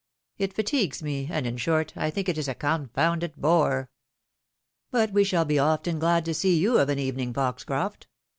It fatigues me, and, in short, I think it is a confounded bore. But we shall be often glad to see you of an evening, Foxcroft.